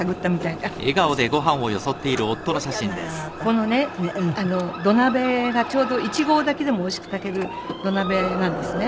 このね土鍋がちょうど１合炊きでもおいしく炊ける土鍋なんですね。